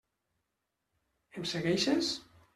Em segueixes?